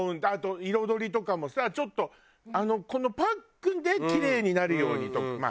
あと彩りとかもさちょっとこのパックでキレイになるようにとか。